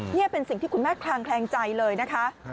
นี่เป็นสิ่งที่คุณแม่คลางแคลงใจเลยนะคะ